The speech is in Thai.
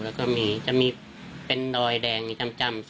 แล้วก็มีจะมีเป็นรอยแดงจำ๓ที่อะ